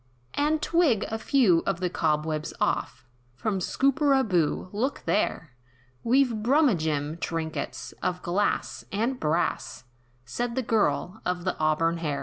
"And twig a few of the cobwebs off, From Scooperaboo, look there! We've Brumagem trinkets, of glass, and brass!" Said the girl, of the auburn hair.